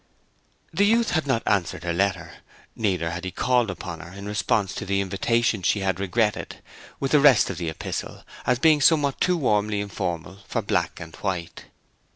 The youth had not answered her letter; neither had he called upon her in response to the invitation she had regretted, with the rest of the epistle, as being somewhat too warmly informal for black and white.